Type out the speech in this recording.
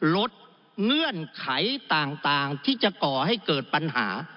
เงื่อนไขต่างที่จะก่อให้เกิดปัญหา